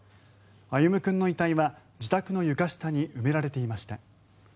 歩夢君の遺体は自宅の床下に埋められていました。